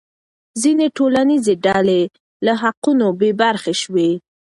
ځینې ټولنیزې ډلې له حقونو بې برخې شوې.